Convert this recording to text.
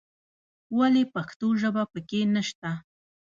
ولې پښتو ژبه په کې نه شته.